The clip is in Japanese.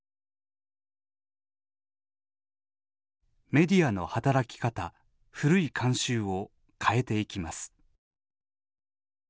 「メディアの働き方古い慣習を変えていきます」。